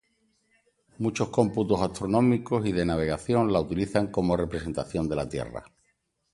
Muchos cómputos astronómicos y de navegación la utilizan como representación de la Tierra.